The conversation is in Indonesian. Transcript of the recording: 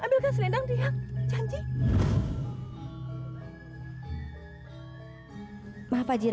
ambilkan selendang tiang janji